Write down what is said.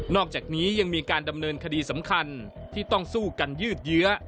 อกจากนี้ยังมีการดำเนินคดีสำคัญที่ต้องสู้กันยืดเยื้อ